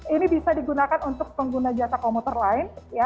ini bisa digunakan untuk pengguna jasa komuter lain